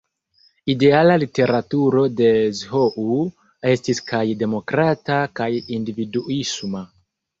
Ideala literaturo de Zhou estis kaj demokrata kaj individuisma.